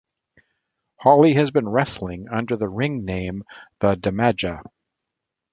Hollie has been wrestling under the ring name The Damaja.